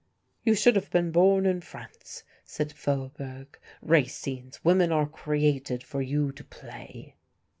"You should have been born in France," said Faubourg, "Racine's women are created for you to play."